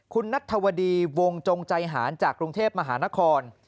คุณนัทธวดีวงจงใจหารจากกรุงเทพมหานคร